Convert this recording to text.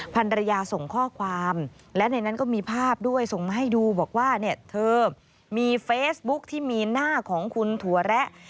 ภรรยาส่งข้อความและในนั้นก็มีภาพด้วยส่งมาให้ดูบอกว่าเนี่ยเธอมีเฟซบุ๊คที่มีหน้าของคุณถั่วแระ